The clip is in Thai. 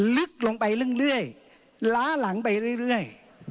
ลึกลงไปเรื่อยล้าหลังไปเรื่อย